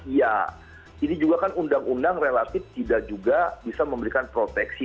iya ini juga kan undang undang relatif tidak juga bisa memberikan proteksi